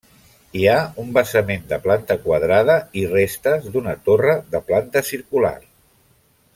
Hi ha un basament de planta quadrada i restes d'una torre de planta circular.